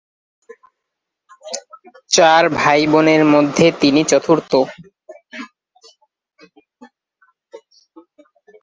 চার ভাইবোনের মধ্যে তিনি চতুর্থ।